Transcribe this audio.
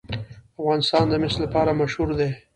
افغانستان د مس لپاره مشهور دی.